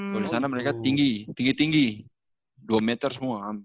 kalau di sana mereka tinggi tinggi dua meter semua